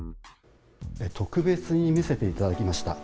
特別に見せていただきました。